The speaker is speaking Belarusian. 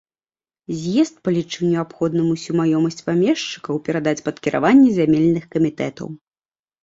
З'езд палічыў неабходным усю маёмасць памешчыкаў перадаць пад кіраванне зямельных камітэтаў.